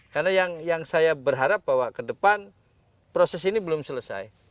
karena yang saya berharap bahwa kedepan proses ini belum selesai